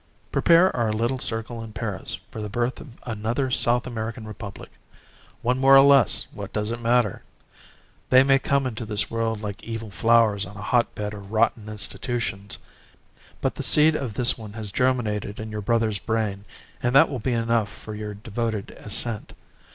... "Prepare our little circle in Paris for the birth of another South American Republic. One more or less, what does it matter? They may come into the world like evil flowers on a hotbed of rotten institutions; but the seed of this one has germinated in your brother's brain, and that will be enough for your devoted assent.